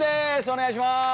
お願いします。